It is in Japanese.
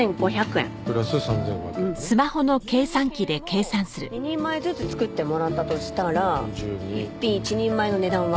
１２品を２人前ずつ作ってもらったとしたら１品１人前の値段は？